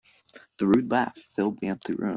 The rude laugh filled the empty room.